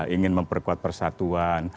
ingin memperkuat persatuan